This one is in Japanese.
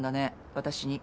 私に。